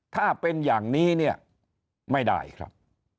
ถ้าเป็นอย่างนี้เนี่ยไม่ได้ครับ